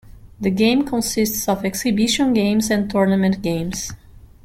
The game consists of exhibition games and tournament games.